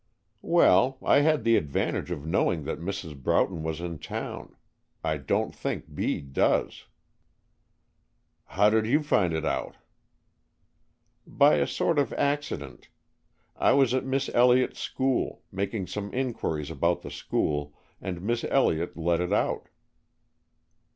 "Well, I had the advantage of knowing that Mrs. Broughton was in town. I don't think Bede does." "How did you find it out?" "By a sort of accident. I was at Miss Elliott's School, making some inquiries about the school, and Miss Elliott let it out."